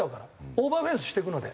オーバーフェンスしていくので。